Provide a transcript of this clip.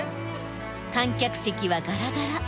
観客席はガラガラ。